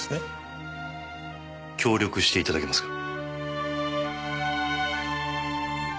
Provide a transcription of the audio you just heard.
協力して頂けますか？